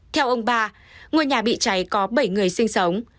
theo ông ba ngôi nhà bị cháy có bảy người sinh sống